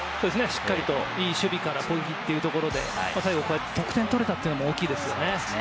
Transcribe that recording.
しっかりと、いい守備から攻撃というところで、最後得点を取れたのは大きいですね。